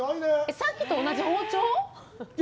さっきと同じ包丁？